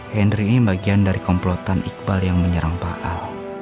henry ini bagian dari komplotan iqbal yang menyerang paal